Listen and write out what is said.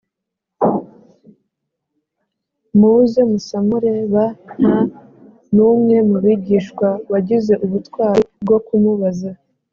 Muze musamure b nta n umwe mu bigishwa wagize ubutwari bwo kumubaza